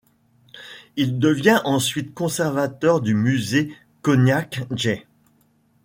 Il devient ensuite conservateur du Musée Cognacq-Jay.